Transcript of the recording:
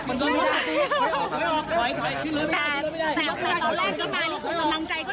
ขอบคุณมากนะคะขอบคุณมากนะคะ